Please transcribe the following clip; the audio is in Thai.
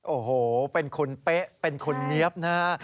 โอ้โหเป็นคุณเป๊ะเป็นคนเนี๊ยบนะฮะ